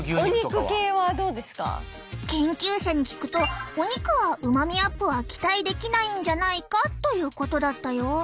研究者に聞くとお肉はうまみアップは期待できないんじゃないかということだったよ。